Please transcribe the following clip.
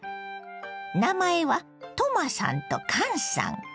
名前はトマさんとカンさん。